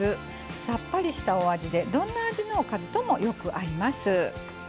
さっぱりしたお味でどんな味のおかずともよく合います。